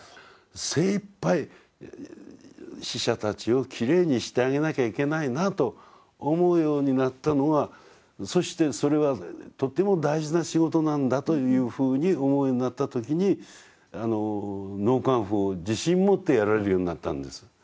精いっぱい死者たちをきれいにしてあげなきゃいけないなと思うようになったのはそしてそれはとても大事な仕事なんだというふうに思うようになった時に納棺夫を自信持ってやれるようになったんです私。